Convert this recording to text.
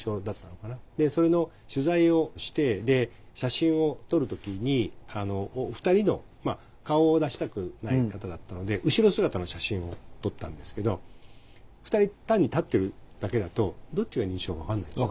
それの取材をしてで写真を撮る時に２人の顔を出したくない方だったので後ろ姿の写真を撮ったんですけど２人単に立ってるだけだとどっちが認知症か分かんないでしょ。